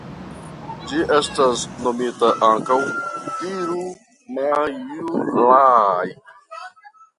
Ĝi estas nomita ankaŭ Tirumajilai.